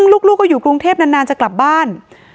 ลูกก็อยู่กรุงเทพนานจะกลับบ้าน